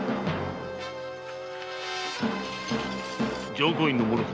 浄光院の者か？